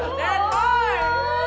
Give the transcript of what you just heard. gusti lu aduh